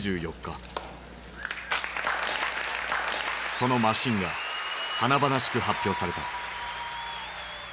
そのマシンが華々しく発表された。